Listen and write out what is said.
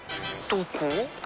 どこ？